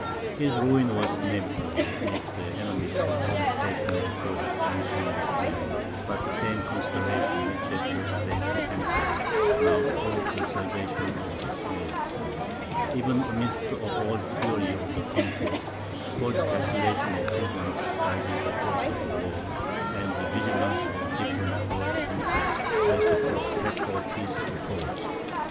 His ruin was inevitable, if the enemy should overtake him before his junction with Turenne; but the same consideration which had just saved the Emperor, now proved the salvation of the Swedes. Even amidst all the fury of the conquest, cold calculations of prudence guided the course of the war, and the vigilance of the different courts increased, as the prospect of peace approached.